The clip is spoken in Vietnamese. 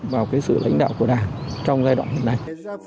vào cái sự lãnh đạo của đảng trong giai đoạn này